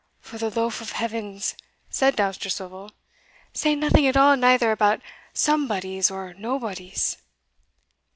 "For the lofe of heavens," said Dousterswivel, "say nothing at all neither about somebodies or nobodies!"